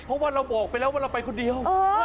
เพราะว่าเราบอกไปแล้วว่าเราไปคนเดียว